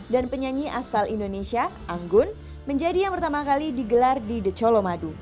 dan penyanyi asal indonesia anggun menjadi yang pertama kali digelar di the cowo madu